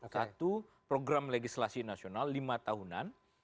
satu program legislasi nasional lima tahunan